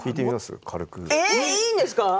いいんですか？